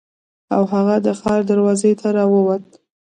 او هغه د ښار دروازې ته راووت.